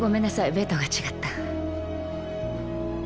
ベッドが違った。